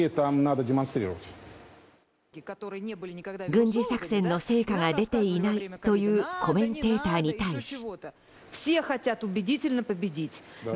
軍事作戦の成果が出ていないというコメンテーターに対し。